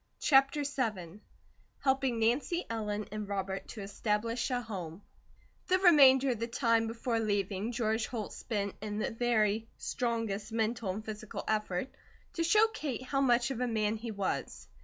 CHAPTER VII HELPING NANCY ELLEN AND ROBERT TO ESTABLISH A HOME THE remainder of the time before leaving, George Holt spent in the very strongest mental and physical effort to show Kate how much of a man he was.